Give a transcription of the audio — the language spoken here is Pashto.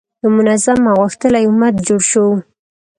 یو منظم او غښتلی امت جوړ شو.